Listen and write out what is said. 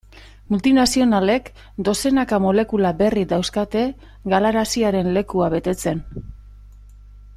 Multinazionalek dozenaka molekula berri dauzkate galaraziaren lekua betetzen.